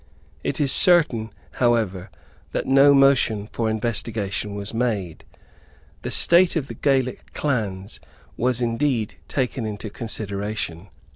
It is certain, however, that no motion for investigation was made. The state of the Gaelic clans was indeed taken into consideration.